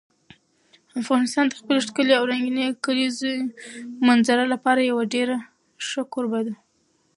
افغانستان د خپلې ښکلې او رنګینې کلیزو منظره لپاره یو ډېر ښه کوربه دی.